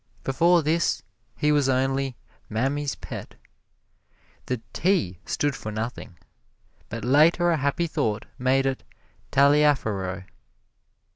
Before this he was only Mammy's Pet. The T. stood for nothing, but later a happy thought made it Taliaferro.